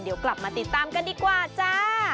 เดี๋ยวกลับมาติดตามกันดีกว่าจ้า